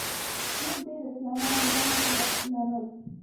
نور ډېر اصلاحات له ځان سره لرل.